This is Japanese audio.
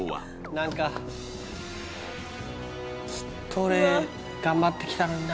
なんかずっと俺頑張ってきたのにな。